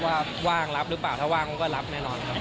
ว่าว่างรับหรือเปล่าถ้าว่างก็รับแน่นอนครับ